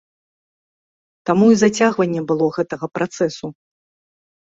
Таму і зацягванне было гэтага працэсу.